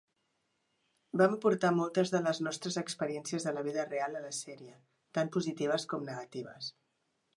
Vam aportar moltes de les nostres experiències de la vida real a la sèrie, tant positives com negatives.